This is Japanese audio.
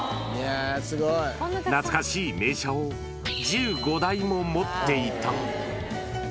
懐かしい名車を１５台も持っていた。